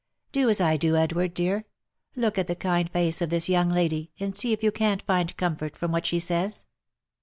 Do as I do, Edward, dear ! look at the kind face of this young lady, and see if you can't find comfort from what she says